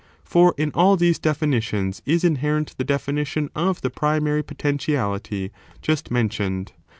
For in all these definitions is inherent the definition of tibe primary potentiality just mentioned.